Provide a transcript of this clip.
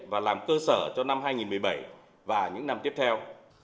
và làm cơ sở cho năm hai nghìn một mươi bảy và những năm tiếp theo